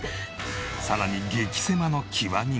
さらに激せまの極みが。